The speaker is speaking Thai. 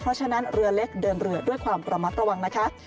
เพราะฉะนั้นเรือเล็กเดินเรือด้วยความระมัดระวังนะคะ